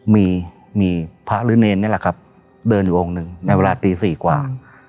มีมีพระหรือเนรนี่แหละครับเดินอยู่องค์หนึ่งในเวลาตีสี่กว่า